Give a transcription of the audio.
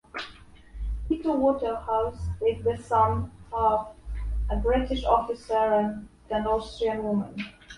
Peter Waterhouse is the son of a British officer and an Austrian woman.